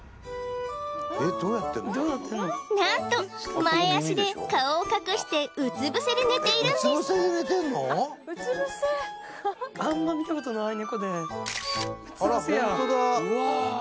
何と前足で顔を隠してうつぶせで寝ているんですうわ